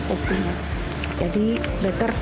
digital tidak boleh